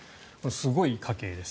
すごい家系です。